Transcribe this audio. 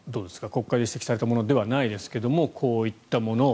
国会で指摘されたものではないですがこういったもの。